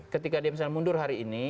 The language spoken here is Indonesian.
ketika dia misalnya mundur hari ini